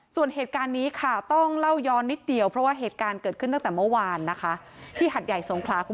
ส่วนเหตุการณ์นี้ค่ะต้องเล่าย้อนนิดเดียวเพราะว่าเหตุการณ์เกิดขึ้นตั้งแต่เมื่อวานนะคะที่หัดใหญ่สงขลาคุณ